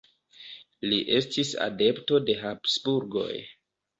Li estis adepto de Habsburgoj.